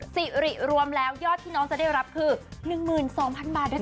สิริรวมแล้วยอดที่น้องจะได้รับคือ๑๒๐๐๐บาทด้วยกัน